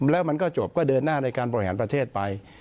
แล้วมันก็จบก็เดินหน้าในการบริหารประเทศไป